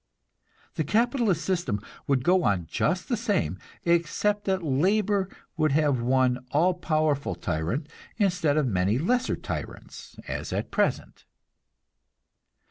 The capitalist system would go on just the same, except that labor would have one all powerful tyrant, instead of many lesser tyrants, as at present.